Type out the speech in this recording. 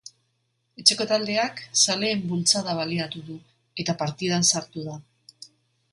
Etxeko taldeak zaleen bultzada baliatu du, eta partidan sartu da.